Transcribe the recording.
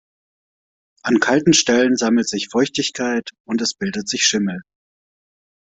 An kalten Stellen sammelt sich Feuchtigkeit und es bildet sich Schimmel.